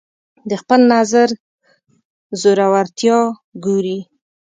د خپل نظر زورورتیا ګوري